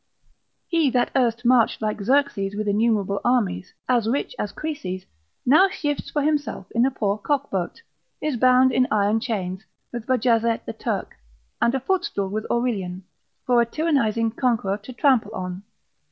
He that erst marched like Xerxes with innumerable armies, as rich as Croesus, now shifts for himself in a poor cock boat, is bound in iron chains, with Bajazet the Turk, and a footstool with Aurelian, for a tyrannising conqueror to trample on.